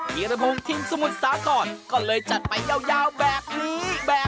เพลินภูมิทีมสมุดศาขอดก็เลยจัดไปยาวแบบนี้